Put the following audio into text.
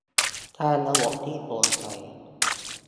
สร้างระบบที่โปร่งใส